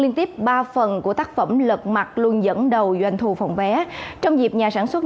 liên tiếp ba phần của tác phẩm lật mặt luôn dẫn đầu doanh thu phòng vé trong dịp nhà sản xuất